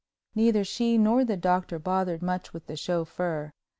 Neither she nor the Doctor bothered much with the chauffeur.